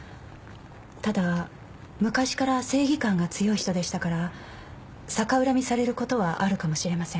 ただ昔から正義感が強い人でしたから逆恨みされることはあるかもしれません。